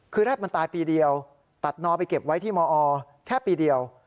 คือแรกมันตายปีเดียวตัดนอไปเก็บไว้ที่มอแค่ปีเดียว